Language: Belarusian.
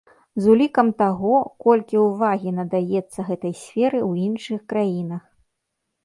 З улікам таго, колькі ўвагі надаецца гэтай сферы ў іншых краінах.